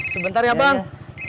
sebentar ya bang